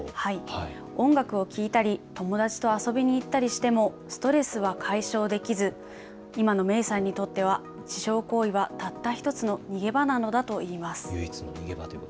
音楽を聴いたり友達と遊びに行ったりしてもストレスは解消できず今のメイさんにとっては自傷行為はたった１つの逃げ場なのだといいます。